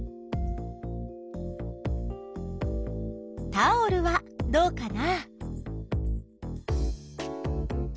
タオルはどうかな？